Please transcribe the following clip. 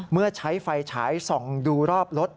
เมื่อใช้ไฟฉายส่องดูรอบรถ